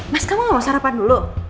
mas kamu mau sarapan dulu